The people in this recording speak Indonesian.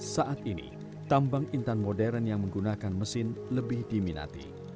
saat ini tambang intan modern yang menggunakan mesin lebih diminati